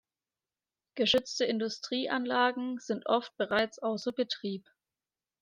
Geschützte Industrieanlagen sind oft bereits außer Betrieb.